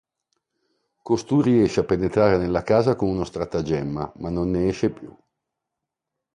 Costui riesce a penetrare nella casa con uno stratagemma, ma non ne esce più.